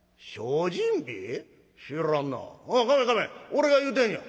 俺が言うてんや。